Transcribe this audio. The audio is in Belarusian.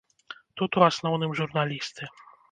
Тут, у асноўным журналісты.